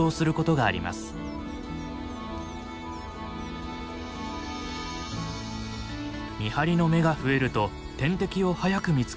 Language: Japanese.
見張りの目が増えると天敵を早く見つけることができます。